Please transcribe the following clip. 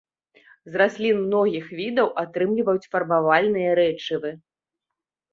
З раслін многіх відаў атрымліваюць фарбавальныя рэчывы.